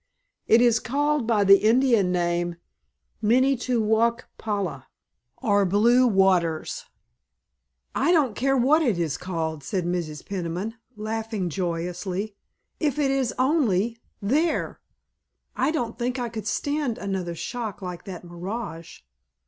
It is called by the Indian name 'Minne to wauk pala,' or Blue Waters." "I don't care what it is called," said Mrs. Peniman, laughing joyously, "if it is only there. I don't think I could stand another shock like that mirage."